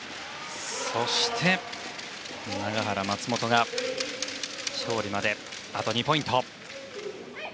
そして永原、松本が勝利まであと２ポイント。